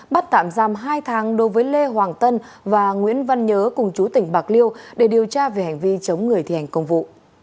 bắt tạm giam hai tháng đối với lê hoàng tân và nguyễn văn nhớ cùng chú tỉnh bạc liêu để điều tra về hành vi chống người thi hành công vụ